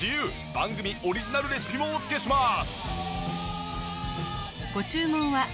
番組オリジナルレシピもお付けします。